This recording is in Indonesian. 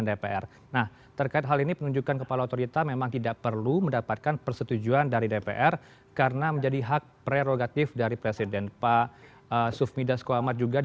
dalam pernyataan pernyataan presiden jokowi sebelumnya